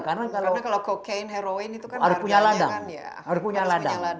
karena kalau cocaine heroin itu kan harganya kan ya harus punya ladang